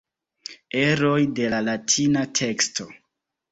Eroj de la latina teksto.